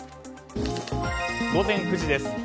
午前９時です。